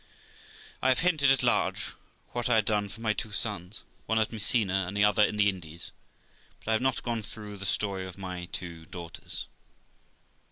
I have hinted at large what I had done for my two sons, one at Messina, and the other in the Indies; but I have not gone through the story of my two daughters.